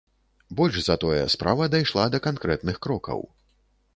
Больш за тое, справа дайшла да канкрэтных крокаў.